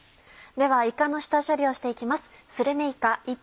ではいかの下処理をして行きます。